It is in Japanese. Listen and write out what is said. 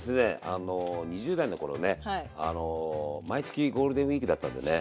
あの２０代の頃ね毎月ゴールデンウイークだったんでね。